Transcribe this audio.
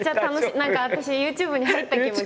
何か私ＹｏｕＴｕｂｅに入った気持ち。